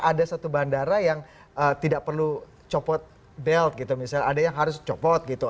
ada satu bandara yang tidak perlu copot belt gitu misalnya ada yang harus copot gitu